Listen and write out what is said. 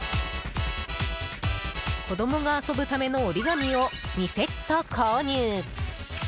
子供が遊ぶための折り紙を２セット購入。